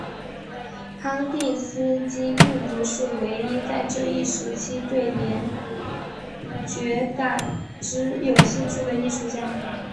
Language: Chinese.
康定斯基并不是唯一在这一时期对联觉感知有兴趣的艺术家。